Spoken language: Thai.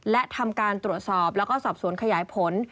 และทำการตรวจสอบแล้วก็สอบสวนขยายผล